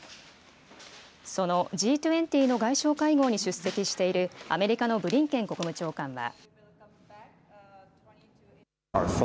そのＧ２０の外相会合に出席している、アメリカのブリンケン国務長官は。